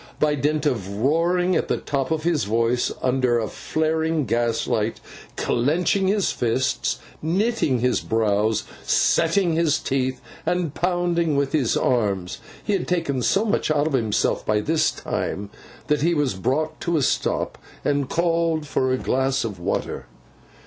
By dint of roaring at the top of his voice under a flaring gaslight, clenching his fists, knitting his brows, setting his teeth, and pounding with his arms, he had taken so much out of himself by this time, that he was brought to a stop, and called for a glass of water.